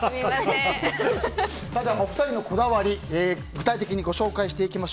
お二人のこだわり具体的にご紹介していきます。